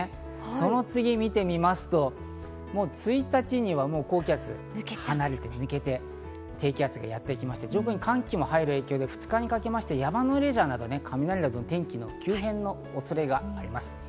その次を見てみますと１日には高気圧が離れて、低気圧がやってきまして、上空に寒気も入る影響で２日にかけて山のレジャーは雷など天気の急変の恐れがあります。